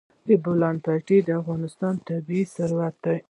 د بولان پټي د افغانستان طبعي ثروت دی.